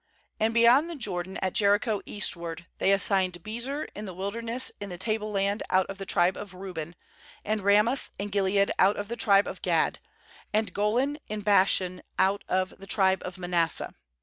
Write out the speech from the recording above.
8And beyond the Jordan at Jericho eastward, they assigned Bezer in the wilderness in the table land out of m the tribe of Reuben, and Ra moth in Gilead out of the tribe of Gad, and Golan in Bashan out of the tribe^ of Manasseh.